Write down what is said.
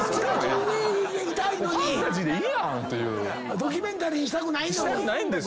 ドキュメンタリーにしたくないのに。